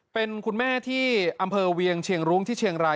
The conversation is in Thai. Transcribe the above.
เป็นคุณแม่ที่อำเภอเวียงเชียงรุ้งที่เชียงราย